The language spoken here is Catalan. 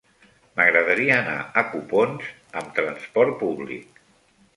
M'agradaria anar a Copons amb trasport públic.